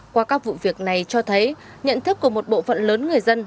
qua các vụ việc này cho thấy nhận thức của một bộ phận lớn người dân